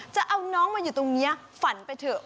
จะเอาน้องมาอยู่ตรงนี้ฝันไปเถอะ